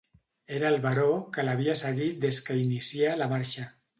Era el baró, que l'havia seguit des que inicià la marxa.